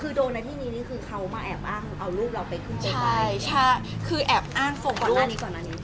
คือโดนในที่นี้คือเขามาแอบอ้างเอารูปเราไปขึ้นไปไหน